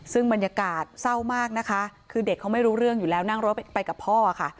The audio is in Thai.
ซึ่งบรรยากาศเศร้ามากนะคะคือเด็กเขาไม่รู้เรื่องอยู่แล้วนั่งรถไปกับพ่อค่ะ